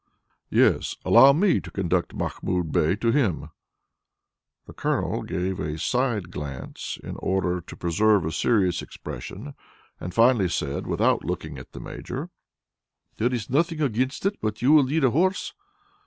"Yes; allow me to conduct Mahmoud Bey to him." The Colonel gave a side glance in order to preserve a serious expression, and finally said, without looking at the Major: "There is nothing against it. But you will need a horse."